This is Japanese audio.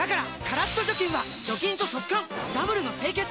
カラッと除菌は除菌と速乾ダブルの清潔！